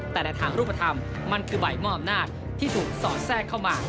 แต่ละทางรูปธรรมมันคือใบมอบอำนาจที่ถูกสอดแทรกเข้ามา